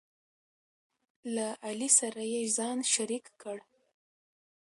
له علي سره یې ځان شریک کړ،